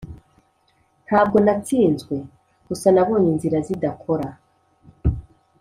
"ntabwo natsinzwe. gusa nabonye inzira zidakora."